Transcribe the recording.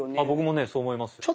僕もねそう思います。